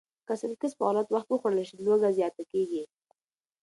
که سنکس په غلط وخت وخوړل شي، لوږه زیاته کېږي.